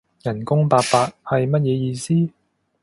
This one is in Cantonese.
人工八百？係乜嘢意思？